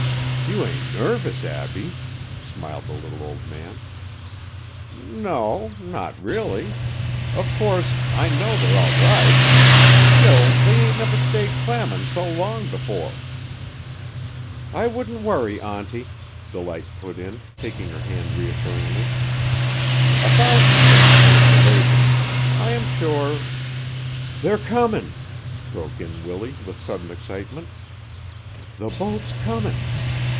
"You ain't nervous, Abbie," smiled the little old man. "N o, not really. Of course, I know they're all right. Still, they ain't never stayed clammin' so long before." "I wouldn't worry, Auntie," Delight put in, taking her hand reassuringly. "A thousand things may have delayed them. I am sure " "They're comin'!" broke in Willie with sudden excitement. "The boat's comin'.